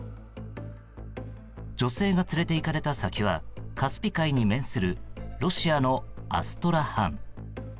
女性が連れていかれた先はカスピ海に面するロシアのアストラハン。